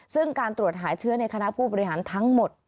ซึ่งการตรวจหาเชื้อในคณะผู้บริหารทั้งหมด